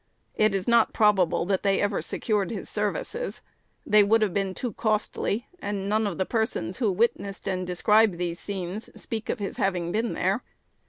It is not probable that they ever secured his services. They would have been too costly, and none of the persons who witnessed and describe these scenes speak of his having been there.